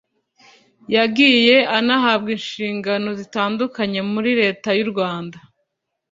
yagiye anahabwa inshingano zitandukanye muri Leta y’u Rwanda